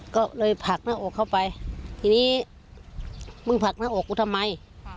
ก็เลยผลักหน้าอกเข้าไปทีนี้มึงผลักหน้าอกกูทำไม